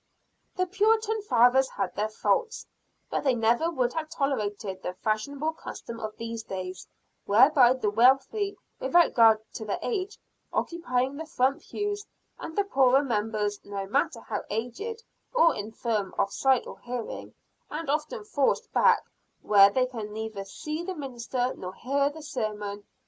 The Puritan fathers had their faults; but they never would have tolerated the fashionable custom of these days, whereby the wealthy, without regard to their age, occupy the front pews; and the poorer members, no matter how aged, or infirm of sight or hearing are often forced back where they can neither see the minister nor hear the sermon.